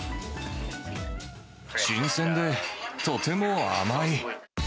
新鮮でとても甘い。